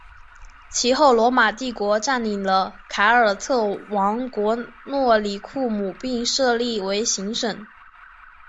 其后罗马帝国占领了凯尔特王国诺里库姆并设立为行省。